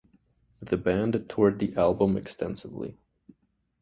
The band toured the album extensively.